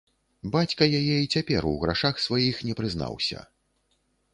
Бацька яе і цяпер у грашах сваіх не прызнаўся.